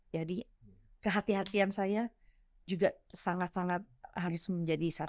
jadi kehati hatian saya juga sangat sangat harus menjadi satu